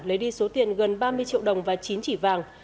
lấy đi số tiền gần ba mươi triệu đồng và chín chỉ vàng